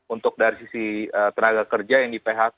untuk dari sisi tenaga kerja yang di phk